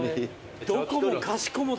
どこもかしこもだ